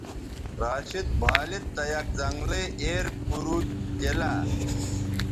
راشد بھالید تہ یک زنگلئ ایر پَرُو تیلہ